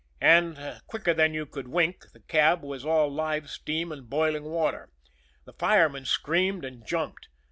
And quicker than you could wink, the cab was all live steam and boiling water. The fireman screamed and jumped.